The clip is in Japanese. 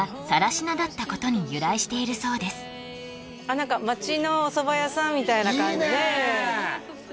何か町のおそば屋さんみたいな感じいいね！